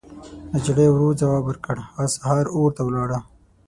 نجلۍ ورو ځواب ورکړ: هغه سهار اور ته ولاړه.